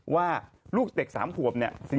ว่าลูกเด็ก๓ขวบเนี่ย